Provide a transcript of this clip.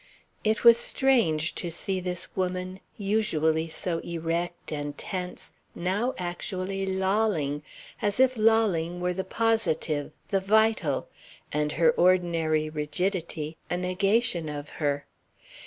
It was strange to see this woman, usually so erect and tense, now actually lolling, as if lolling were the positive, the vital, and her ordinary rigidity a negation of her.